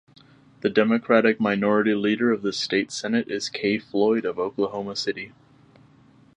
The Democratic minority leader of the state senate is Kay Floyd of Oklahoma City.